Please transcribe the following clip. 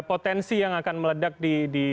potensi yang akan meledak di